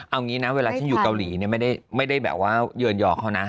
เอางี้นะเวลาที่อยู่เกาหลีเนี่ยไม่ได้แบบว่าเยือนยอเขานะ